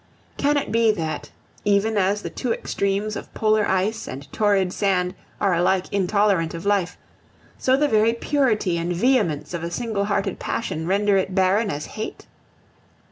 Can it be that, even as the two extremes of polar ice and torrid sand are alike intolerant of life, so the very purity and vehemence of a single hearted passion render it barren as hate?